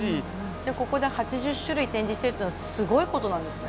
じゃあここで８０種類展示してるっていうのはすごいことなんですね。